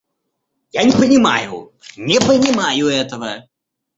Я не понимаю, не понимаю этого!